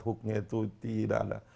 hooknya itu tidak ada